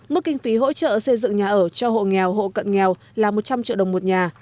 mức kinh phí hỗ trợ xây dựng nhà ở cho hộ nghèo hộ cận nghèo là một trăm linh triệu đồng một nhà